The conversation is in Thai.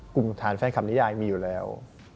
กลุ่มฐานแฟนคลับนิยายมีอยู่แล้ว